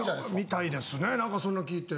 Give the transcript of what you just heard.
みたいですね何かそんな聞いて。